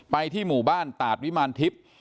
ที่หมู่บ้านตาดวิมารทิพย์